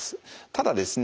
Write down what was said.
ただですね